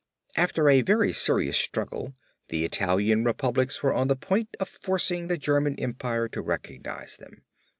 After a very serious struggle the Italian republics were on the point of forcing the German Empire to recognize them.